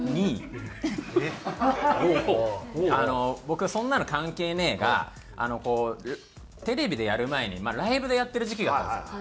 僕「そんなの関係ねえ」がこうテレビでやる前にライブでやってる時期があったんですよ。